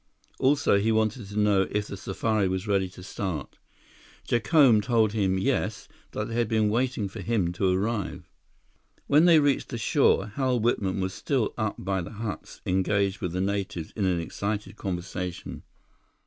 Also, he wanted to know if the safari was ready to start. Jacome told him yes, that they had been waiting for him to arrive. When they reached the shore, Hal Whitman was still up by the huts engaged with the natives in an excited conversation.